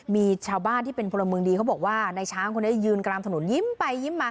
มีชาวบ้านที่เป็นพลเมืองดีเขาบอกว่าในช้างคนนี้ยืนกลางถนนยิ้มไปยิ้มมา